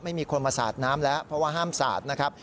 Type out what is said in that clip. ไม่มีคนมาสาดน้ำแล้วเพราะว่าห้ามสาดนะครับ